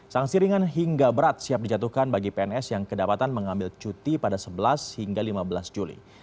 sanksi ringan hingga berat siap dijatuhkan bagi pns yang kedapatan mengambil cuti pada sebelas hingga lima belas juli